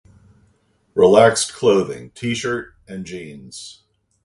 Relaxed clothing: t-shirt and jeans.